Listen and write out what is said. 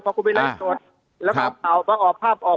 พอคุณไปไล่สดแล้วก็เปล่าพอออกภาพออก